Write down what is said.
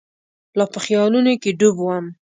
لا په خیالونو کې ډوب وم.